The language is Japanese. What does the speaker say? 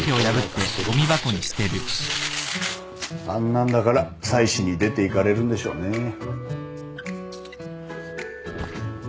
あんなんだから妻子に出ていかれるんでしょうね。